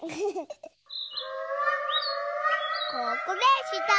ここでした。